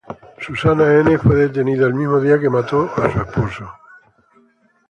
Susana N. fue detenida el mismo día que mató a su esposo.